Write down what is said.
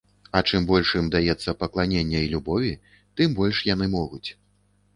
Але чым больш ім даецца пакланення і любові, тым больш яны могуць.